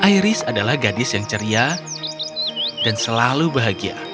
iris adalah gadis yang ceria dan selalu bahagia